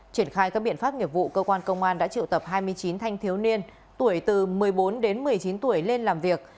triển khai các biện pháp nghiệp vụ cơ quan công an đã triệu tập hai mươi chín thanh thiếu niên tuổi từ một mươi bốn đến một mươi chín tuổi lên làm việc